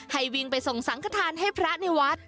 ให้วิ่งไปส่งสังขทานให้พระในวัด